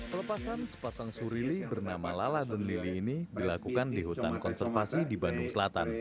pelepasan sepasang surili bernama lala dan lili ini dilakukan di hutan konservasi di bandung selatan